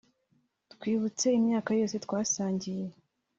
twibutse imyaka yose twasangiye